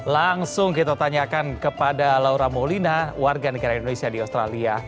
langsung kita tanyakan kepada laura molina warga negara indonesia di australia